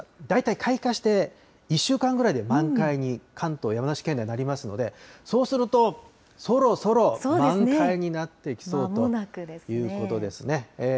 大体開花して１週間ぐらいで満開に、関東、山梨県内、なりますので、そうすると、そろそろ満開になってきそうということですね。